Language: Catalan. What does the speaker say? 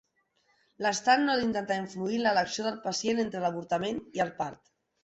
L'estat no ha d'intentar influir en l'elecció del pacient entre l'avortament i el part.